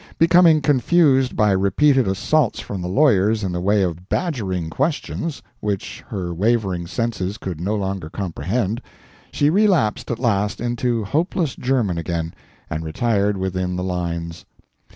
Becoming confused by repeated assaults from the lawyers in the way of badgering questions, which her wavering senses could no longer comprehend, she relapsed at last into hopeless German again, and retired within the lines.